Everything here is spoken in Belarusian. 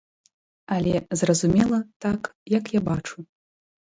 Але, зразумела, так, як я бачу.